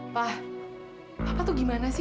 pak apa tuh gimana sih